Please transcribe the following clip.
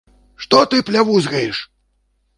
- Што ты плявузгаеш?